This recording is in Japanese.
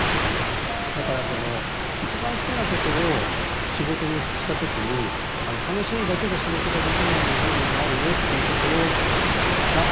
だから一番好きなことを仕事にした時に楽しいだけじゃ仕事ができない部分はあるよっていうことがありますよね。